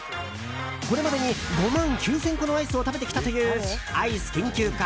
これまでに５万９０００個のアイスを食べてきたというアイス研究家